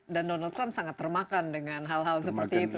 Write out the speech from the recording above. dan donald trump sangat termakan dengan hal hal seperti itu